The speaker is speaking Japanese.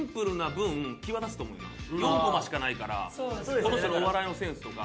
４コマしかないからその人のお笑いのセンスとか。